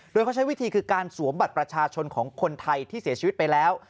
โดยเขาใช้วิธีคือการสวมบัตรประชาชนของคนไทยที่เสียชีวิตไปแล้ว